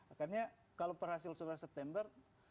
akarnya kalau perhasil survei september